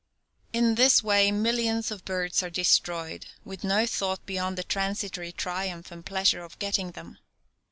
In this way millions of birds are destroyed with no thought beyond the transitory triumph and pleasure of getting them.